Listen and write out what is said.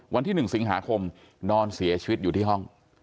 วันที่๑สิงหาคมนอนเสียชีวิตอยู่ที่ห้อง